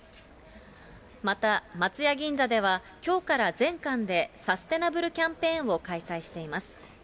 また、松屋銀座では、きょうから全館で、サステナブルキャンペーンを開催しています。